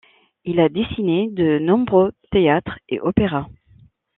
Il a dessiné de nombreux théâtres et opéras.